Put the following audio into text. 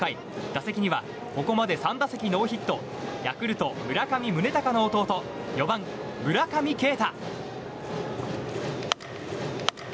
打席にはここまで３打席ノーヒットヤクルト、村上宗隆の弟４番、村上慶太。